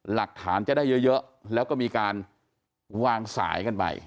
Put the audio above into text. หลักฐานจะได้เยอะแล้วก็มีการวางสายกันไป